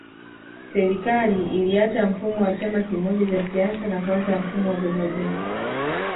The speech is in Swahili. Serikali iliacha mfumo wa chama kimoja cha siasa na kuanzisha mfumo wa vyama vingi